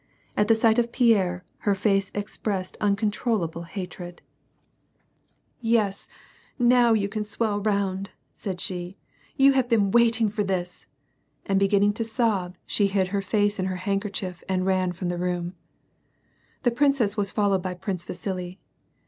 At the sight of Pierre, her face expressed uncontrollable hatred. •*• /Z «*en »a, 6< tJOii« me laUiez leufe." do WAR AND PEACE. 101 Yes, now you can swell round," said she, "You have been waiting for this," and beginning to sob, she hid her face in her handkerchief and ran from the room. The princess was followed by Prince Vasili.